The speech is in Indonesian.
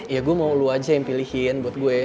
ya gue mau lu aja yang pilihin buat gue